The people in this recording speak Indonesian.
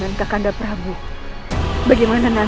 tuan kupati raga merasa sangat dipegang